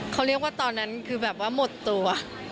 เขาเรียกว่าตอนนั้นคือแบบว่าหมดตัว